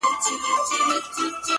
ويل يې غواړم ځوانيمرگ سي”